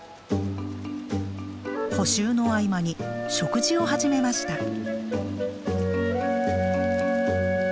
補修の合間に食事を始めました。